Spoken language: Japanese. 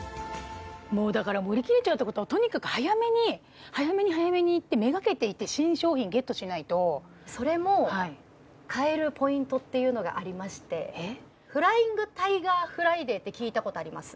もうだから売り切れちゃうってことはとにかく早めに早めに早めにって目がけて行って新商品ゲットしないとそれも買えるポイントっていうのがありましてって聞いたことあります？